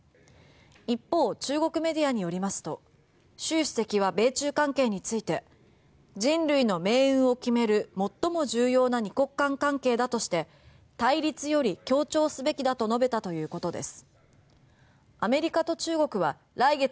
一方、中国メディアによりますと習主席は米中関係について人類の命運を決める最も重要な２国間関係だとして対立より協調すべきだと述べたということです。